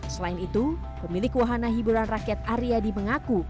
selain itu pemilik wahana hiburan rakyat aryadi mengaku